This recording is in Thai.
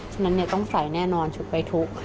ฉะนั้นต้องใส่แน่นอนชุดไปทุกข์